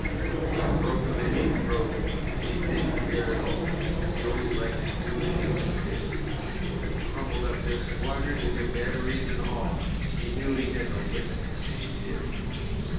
He broke 'em and he drove 'em, and he didn't care at all, He only liked to do as he was bid; He crumpled up their squadron and their batteries and all, He knew he had to lick 'em and he did.